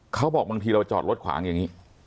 เขาบอกบางทีเราจอดรถขวางอย่างนี้